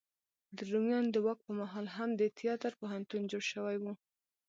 د روميانو د واک په مهال هم د تیاتر پوهنتون جوړ شوی و.